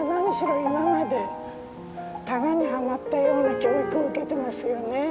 今までたがにはまったような教育を受けてますよね。